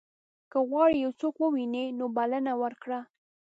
که غواړې یو څوک ووینې نو بلنه ورکړه.